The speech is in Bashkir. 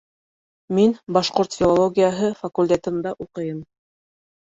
Мин башҡорт филологияһы факультетында уҡыйым